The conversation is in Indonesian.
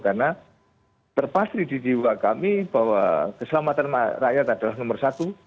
karena terpastri di jiwa kami bahwa keselamatan rakyat adalah nomor satu